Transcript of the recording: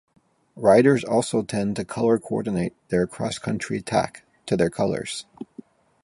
Riders also tend to color-coordinate their cross-country tack to their colors.